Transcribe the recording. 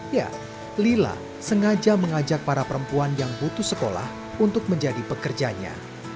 ya lila sengaja mengajak para perempuan yang butuh sekolah untuk menjadi pekerjanya